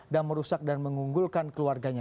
dan merusak dan mengunggulkan keluarganya